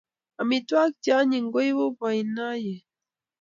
Amitwogik che anyiny koipu boinoiyet